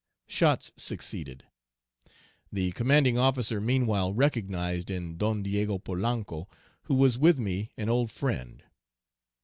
Shots succeeded. The commanding officer meanwhile recognized in Don Diego Polanco, who was with me, an old friend.